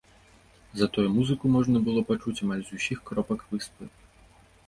Затое музыку можна было пачуць амаль з усіх кропак выспы.